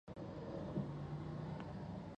ماخپل ډار او بیره سیند ته وغورځول